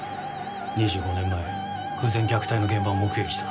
２５年前偶然虐待の現場を目撃した。